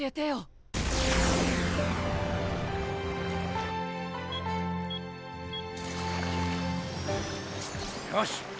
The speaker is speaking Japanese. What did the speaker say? よし！